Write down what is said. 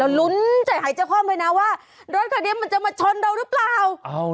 เราลุ้นใจหายเจ้าข้อมันไปนะว่ารถคันนี้มาช็อหนชนเราทั้งหมดหรือเปล่า